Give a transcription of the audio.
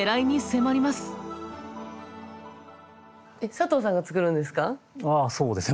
佐藤さんが作るんですか？